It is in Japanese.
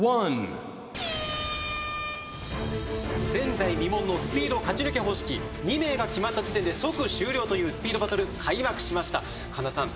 前代未聞のスピード勝ち抜け方式２名が決まった時点で即終了というスピードバトル開幕しました神田さん